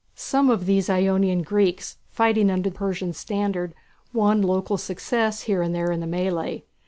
Some of these Ionian Greeks, fighting under the Persian standard, won local successes here and there in the mêlée.